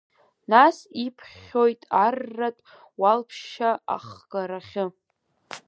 Нас иԥхьоит арратә уалԥшьа ахгарахьы.